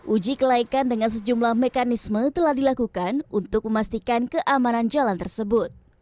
uji kelaikan dengan sejumlah mekanisme telah dilakukan untuk memastikan keamanan jalan tersebut